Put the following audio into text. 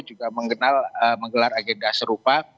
juga menggelar agenda serupa